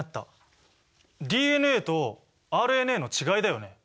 ＤＮＡとＲＮＡの違いだよね。